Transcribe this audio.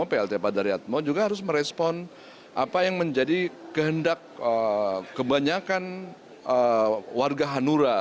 plt pak daryatmo juga harus merespon apa yang menjadi kehendak kebanyakan warga hanura